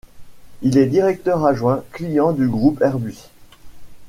Il est directeur adjoint - clients du groupe Airbus.